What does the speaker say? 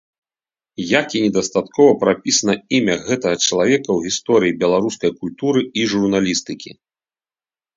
Як і недастаткова прапісана імя гэтага чалавека ў гісторыі беларускай культуры і журналістыкі.